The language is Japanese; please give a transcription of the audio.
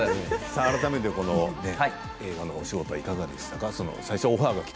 改めまして映像のお仕事いかがでしたか？